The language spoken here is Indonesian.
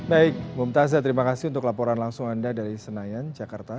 baik mumtazah terima kasih untuk laporan langsung anda dari senayan jakarta